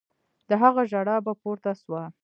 د هغه ژړا به پورته سوه.